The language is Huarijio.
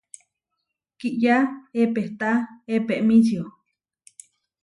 Kiyá epehtá epemíčio.